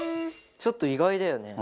ちょっと意外だよね。